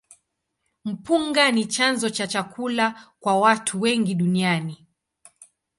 Mpunga ni chanzo cha chakula kwa watu wengi duniani.